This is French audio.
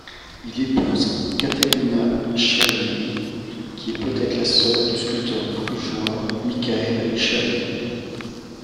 Il épouse Katherina Scherrier qui est peut-être la sœur du sculpteur brugeois Michael Scherrier.